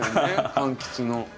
柑橘の。